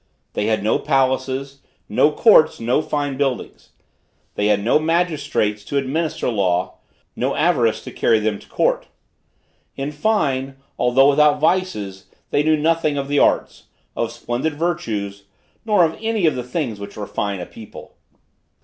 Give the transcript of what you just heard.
They had no palaces, no courts, no fine buildings. They had no magistrates to administer law; no avarice to carry them to court. In fine, although without vices, they knew nothing of the arts, of splendid virtues, nor of any of the things which refine a people.